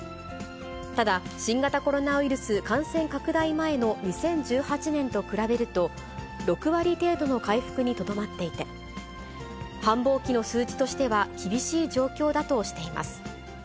ただ、新型コロナウイルス感染拡大前の２０１８年と比べると、６割程度の回復にとどまっていて、繁忙期の数字としては厳しい状況だとしています。